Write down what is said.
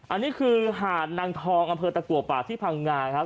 อันนี้คือหาดนางทองอำเภอตะกัวป่าที่พังงาครับ